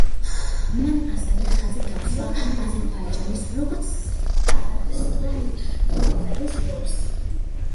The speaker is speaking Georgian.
მან ასევე ხაზი გაუსვა აზერბაიჯანის, როგორც სატრანზიტო ქვეყნის როლს.